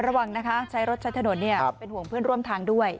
ระวังนะคะใช้รถใช้ถนนเป็นห่วงเพื่อนร่วมทางด้วย